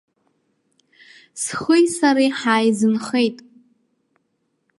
Схыи сареи ҳааизынхеит.